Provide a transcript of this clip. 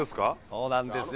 そうなんですよ。